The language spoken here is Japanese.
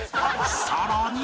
さらに